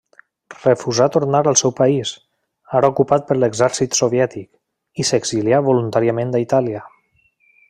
Refusà tornar al seu país, ara ocupat per l'exèrcit soviètic, i s'exilià voluntàriament a Itàlia.